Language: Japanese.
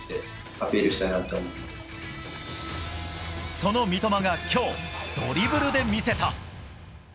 その三笘が今日ドリブルで魅せた！